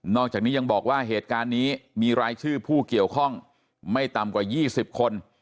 อกจากนี้ยังบอกว่าเหตุการณ์นี้มีรายชื่อผู้เกี่ยวข้องไม่ต่ำกว่า๒๐คน